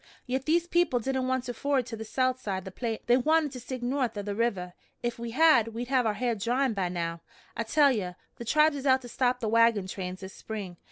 Yet these people didn't want to ford to the south side the Platte; they wanted to stick north o' the river. Ef we had, we'd have our ha'r dryin' by now. I tell ye, the tribes is out to stop the wagon trains this spring.